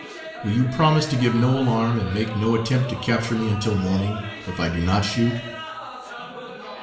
Will you promise to give no alarm and make no attempt to capture me until morning, if I do not shoot?"